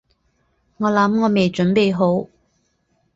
我諗我未準備好